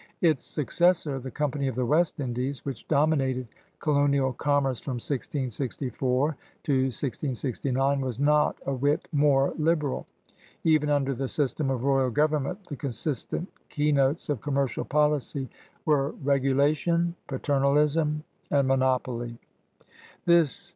Its successor, the Company of the West Indies, which dominated colonial commerce from 1664 to 1669, was not a whit more liberal. Even imder the system of royal government, the consistent keynotes of commercial policy were regulation, paternalism, and monopoly.